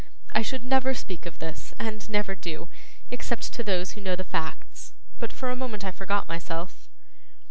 'I should never speak of this, and never do, except to those who know the facts, but for a moment I forgot myself.